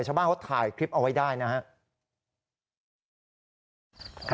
ชาวบ้านเขาถ่ายคลิปเอาไว้ได้นะครับ